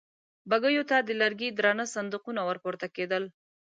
بګيو ته د لرګي درانه صندوقونه ور پورته کېدل.